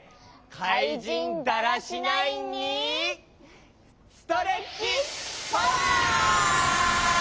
かいじんダラシナインにストレッチパワー！